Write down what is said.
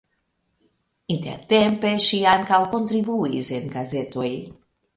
Intertempe ŝi ankaŭ kontribuis en gazetoj.